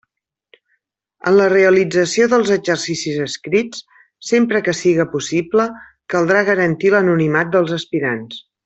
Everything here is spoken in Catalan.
En la realització dels exercicis escrits, sempre que siga possible, caldrà garantir l'anonimat dels aspirants.